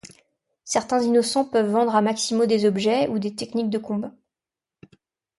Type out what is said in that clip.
Certains innocents peuvent vendre à Maximo des objets, ou des techniques de combat.